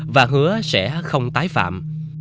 và hứa sẽ không tái phạm